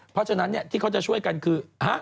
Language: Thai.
เพราะฉะนั้นที่เขาจะช่วยกันคือ